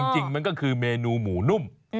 จริงมันก็คือเมนูหมูนุ่ม